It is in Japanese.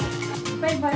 バイバイ。